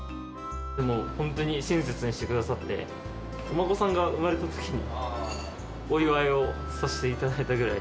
本当に親切にしてくださって、お孫さんが産まれたときに、お祝いをさせていただいたぐらい。